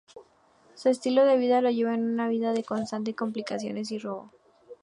Su estilo de vida lo llevó a una vida de constantes complicaciones y robo.